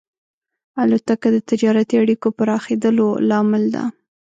الوتکه د تجارتي اړیکو پراخېدلو لامل ده.